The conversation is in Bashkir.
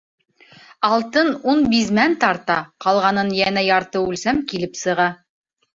Алтын ун бизмән тарта, ҡалғанынан йәнә ярты үлсәм килеп сыға.